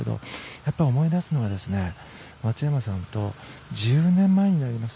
やっぱり思い出すのは松山さんと１０年前になります